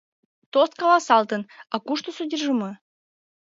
Тост каласалтын, а кушто содержимое?